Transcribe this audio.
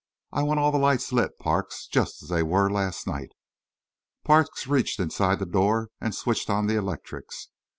I want all the lights lit, Parks, just as they were last night." Parks reached inside the door and switched on the electrics.